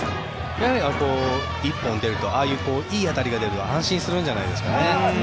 やはり１本出るとああいういい当たりが出ると安心するんじゃないですかね。